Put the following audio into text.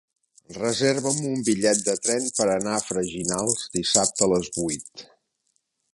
Reserva'm un bitllet de tren per anar a Freginals dissabte a les vuit.